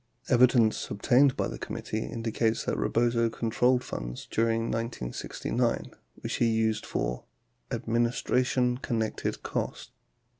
34 Evidence ob tained by the committee indicates that Rebozo controlled funds during 1969 which he used for "administration connected costs."